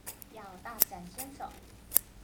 要大展身手